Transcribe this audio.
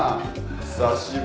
久しぶり。